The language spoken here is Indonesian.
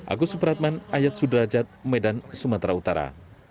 agus supratman ayat sudrajat medan sumatera utara